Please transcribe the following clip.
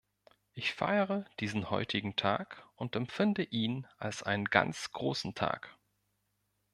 Ich feiere diesen heutigen Tag, und empfinde ihn als einen ganz großen Tag.